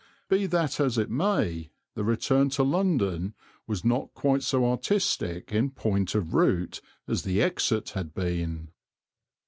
Be that as it may the return to London was not quite so artistic in point of route as the exit had been.